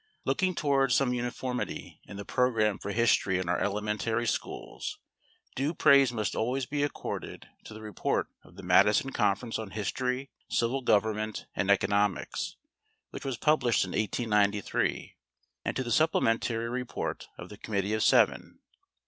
Looking towards some uniformity in the program for history in our elementary schools, due praise must always be accorded to the report of the Madison Conference on History, Civil Government and Economics, which was published in 1893, and to the supplementary report of the Committee of Seven.